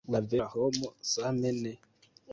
La vera homo same ne.